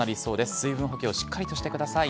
水分補給をしっかりとしてください。